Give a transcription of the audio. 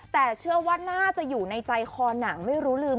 แต่เชื่อว่าน่าจะอยู่ในใจคอหนังไม่รู้ลืม